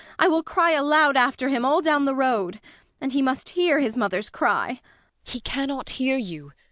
I will cry aloud after him all down the road. And he must hear his mother's cry! ELLA RENTHEIM. He cannot hear you.